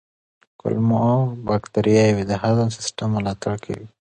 کولمو بکتریاوې د هضم سیستم ملاتړ کوي.